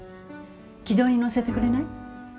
軌道に乗せてくれない？